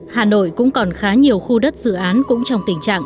hà nội cũng còn khá nhiều khu đất dự án cũng trong tình trạng